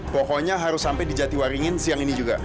pokoknya harus sampai di jatiwaringin siang ini juga